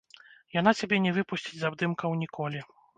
Яна цябе не выпусціць з абдымкаў ніколі.